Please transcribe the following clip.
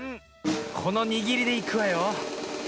このにぎりでいくわよ。